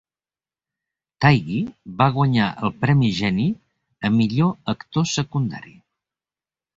Tighe va guanyar el "Premi Genie" a millor actor secundari.